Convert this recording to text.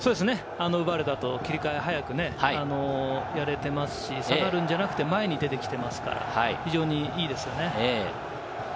奪われた後、切り替えを早くやれていますし、下がるんじゃなくて前に出てきていますから、非常にいいですよね。